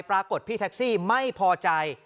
ปรากฏพี่แท็กซี่ไม่พอใจ